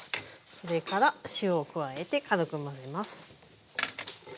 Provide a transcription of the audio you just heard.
それから塩を加えて軽く混ぜます。